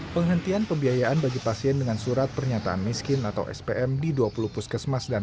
penghentian pembiayaan bagi pasien dengan surat pernyataan miskin atau spm di dua puluh puskesmas dan